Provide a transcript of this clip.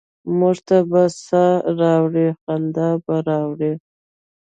موږ ته به سا ه راوړي، خندا به راوړي؟